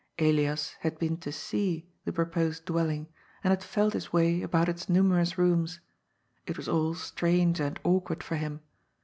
Elias had been to '^ see " the proposed dwelling, and had felt his way about its numerous rooms. It was all strange and awkward for him.